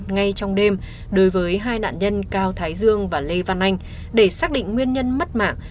ngay trong đêm đối với hai nạn nhân cao thái dương và lê văn anh để xác định nguyên nhân mất mạng